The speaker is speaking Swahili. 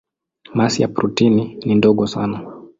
Masi ya protoni ni ndogo sana.